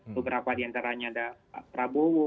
beberapa diantaranya ada prabowo